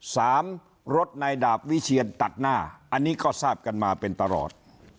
รถนายดาบวิเชียนตัดหน้าอันนี้ก็ทราบกันมาเป็นตลอด